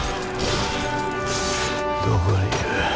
どこにいる？